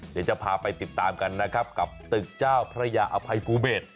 เดี๋ยวจะพาไปติดตามกันนะครับกับตึกเจ้าพระยาอภัยภูเบศ